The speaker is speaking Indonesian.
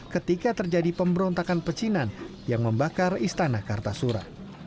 ketika terjadi pemberontakan pecinan yang membakar istana kartasura